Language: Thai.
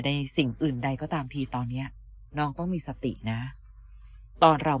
สิ่งอื่นใดก็ตามทีตอนเนี้ยน้องก็มีสตินะตอนเรา